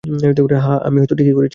হ্যাঁঁ, হয়তো আমি ঠিকই করেছি।